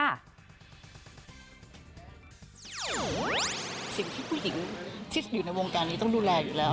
สิ่งที่ผู้หญิงที่อยู่ในวงการนี้ต้องดูแลอยู่แล้ว